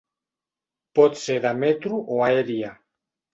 Pot ser de metro o aèria.